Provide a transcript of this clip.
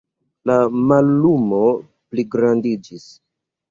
La mallumo pligrandiĝis.